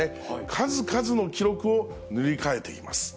数々の記録を塗り替えています。